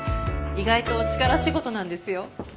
意外と力仕事なんですよ。